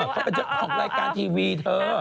เขาเป็นเจ้าของรายการทีวีเธอ